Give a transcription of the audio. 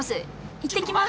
いってきます！